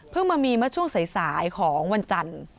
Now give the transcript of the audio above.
มามีเมื่อช่วงสายของวันจันทร์